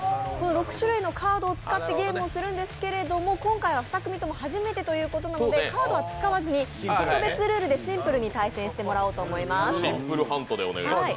６種類のカードを使ってゲームをするんですけれども、今回は２組とも初めてということで特別ルールでシンプルに対決してもらおうと思います。